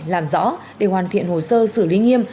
làm rõ để hoàn thiện hồ sơ xử lý nghiêm